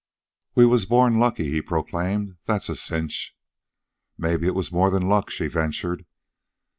"We was born lucky," he proclaimed. "That's a cinch." "Maybe it was more than luck," she ventured.